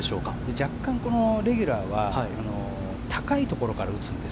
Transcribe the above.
若干、レギュラーは高いところから打つんです。